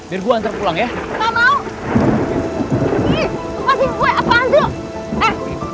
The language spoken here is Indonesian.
biar gue antar pulang ya